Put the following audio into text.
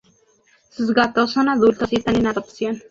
Sus gatos son adultos y están en adopción.